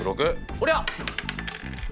おりゃ！